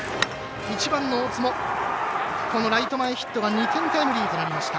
１番の大坪、ライト前ヒットが２点タイムリーとなりました。